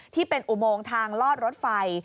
ที่เป็นอุโมงทางลอดรถไฟ